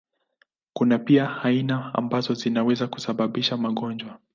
Kuna pia aina ambazo zinaweza kusababisha magonjwa.